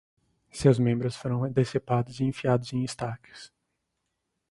Seus membros foram decepados e enfiados em estacas